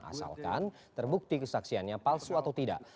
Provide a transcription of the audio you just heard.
asalkan terbukti kesaksiannya palsu atau tidak